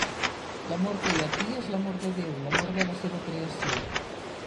L'amor que hi ha aquí és l'amor de Déu, l'amor de la seva creació.